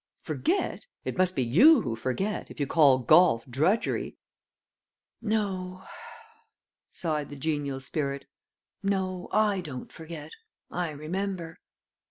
"Forget? It must be you who forget, if you call golf drudgery." "No," sighed the genial spirit. "No, I don't forget. I remember."